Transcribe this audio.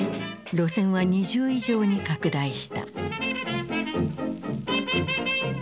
路線は２０以上に拡大した。